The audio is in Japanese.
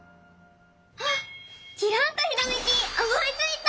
あっきらんとひらめきおもいついた！